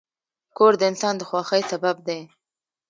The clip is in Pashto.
کور د انسان د خوښۍ سبب دی.